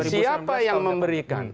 siapa yang memberikan